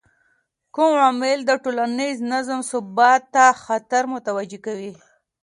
کوم عوامل د ټولنیز نظم ثبات ته خطر متوجه کوي؟